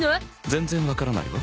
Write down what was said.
全然わからないわ